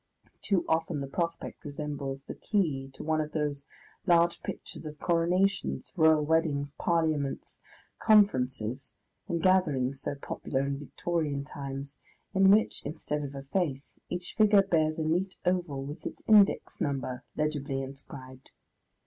Too often the prospect resembles the key to one of those large pictures of coronations, royal weddings, parliaments, conferences, and gatherings so popular in Victorian times, in which, instead of a face, each figure bears a neat oval with its index number legibly inscribed.